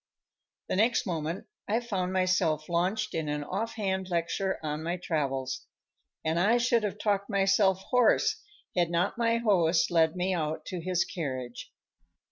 The next moment I found myself launched in an offhand lecture on my travels. And I should have talked myself hoarse had not my host led me out to his carriage.